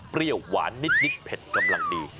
เปรี้ยวหวานนิดเผ็ดกำลังดี